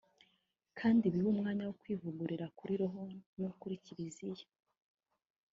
kandi ribe umwanya wo kwivugurura kuri roho n’ukwa Kiriziya”